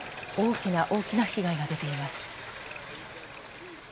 大きな被害が出ています。